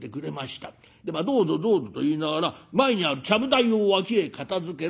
『どうぞどうぞ』と言いながら前にあるちゃぶ台を脇へ片づける。